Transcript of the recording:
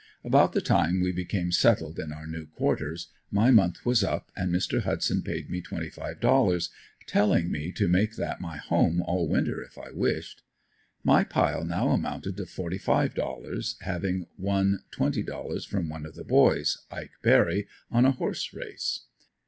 About the time we became settled in our new quarters, my month was up and Mr. Hudson paid me twenty five dollars, telling me to make that my home all winter if I wished. My "pile" now amounted to forty five dollars, having won twenty dollars from one of the boys, Ike Berry, on a horse race.